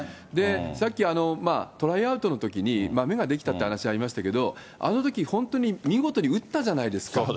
さっき、トライアウトのときに、まめが出来たという話がありましたけど、あのとき、本当に見事に打ったじゃないですか。